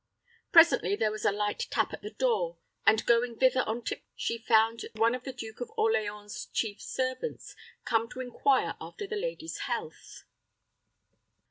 Presently there was a light tap at the door, and going thither on tip toe, she found one of the Duke of Orleans's chief servants come to inquire after the lady's health.